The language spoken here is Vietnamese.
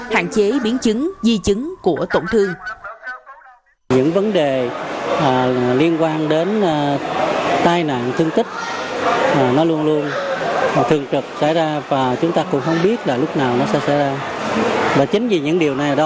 hạn chế biến chứng di chứng của tổn thương